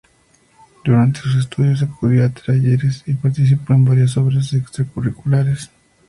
Durante sus estudios acudió a talleres y participó en varias obras extracurriculares.